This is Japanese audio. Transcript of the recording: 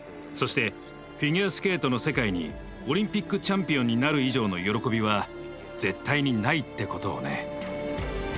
そしてフィギュアスケートの世界にオリンピックチャンピオンになる以上の喜びは絶対にないってことをね。